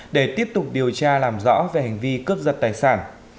để tiếp tục điều tra làm rõ về hành vi cướp giật tài sản